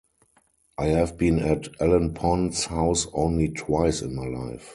I have been at Ellen Pond's house only twice in my life.